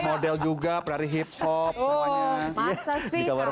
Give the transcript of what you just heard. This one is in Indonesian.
model juga pelari hip hop semuanya